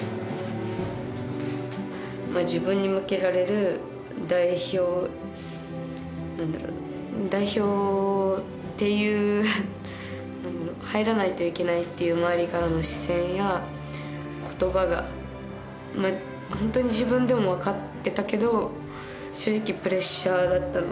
まあ自分に向けられる代表何だろう代表っていう入らないといけないっていう周りからの視線や言葉が本当に自分でも分かってたけど正直プレッシャーだったのは確かで。